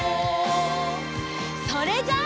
それじゃあ。